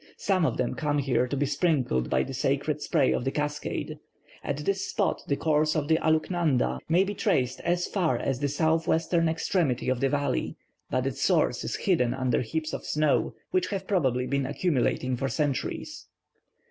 Some of them come here to be sprinkled by the sacred spray of the cascade. At this spot the course of the Aluknanda may be traced as far as the south western extremity of the valley, but its source is hidden under heaps of snow, which have probably been accumulating for centuries."